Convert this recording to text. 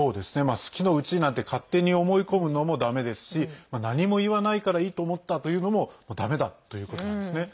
好きのうちなんて勝手に思い込むのもだめですし何も言わないからいいと思ったというのもだめだということなんですね。